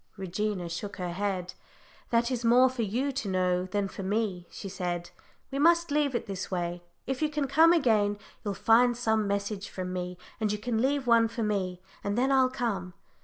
Regina shook her head. "That is more for you to know than for me," she said. "We must leave it this way if you can come again, you'll find some message from me, and you can leave one for me, and then I'll come."